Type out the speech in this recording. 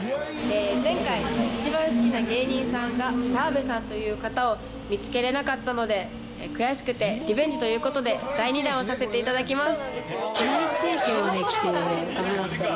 前回、一番好きな芸人さんが澤部さんという方を見つけられなかったので悔しくて、リベンジということで第２弾をさせていただきます。